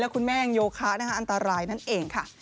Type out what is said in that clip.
คุณแม่ยังโยคะอันตรายนั่นเองค่ะ